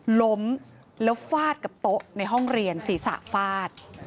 ล้มแล้วฟาดกับโต๊ะในห้องเรียนศีรษะฟาด